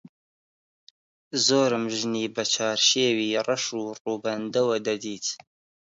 زۆرم ژنی بە چارشێوی ڕەش و ڕووبەندەوە دەدیت